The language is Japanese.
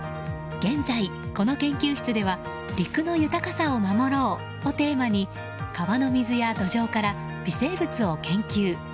現在、この研究室では「陸の豊かさを守ろう」をテーマに川の水や土壌から微生物を研究。